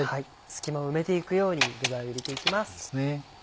隙間を埋めて行くように具材を入れて行きます。